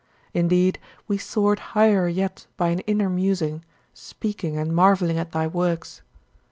Indeed, we soared higher yet by an inner musing, speaking and marveling at thy works.